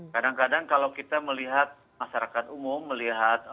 kadang kadang kalau kita melihat masyarakat umum melihat